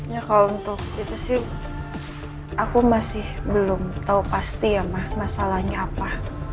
ya kalau untuk itu sih aku masih belum tahu pasti ya masalahnya apa